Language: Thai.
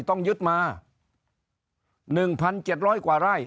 ต้องยึดมา๑๗๐๐กว่าไร่